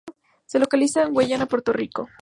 Se localiza en Guaynabo, Puerto Rico.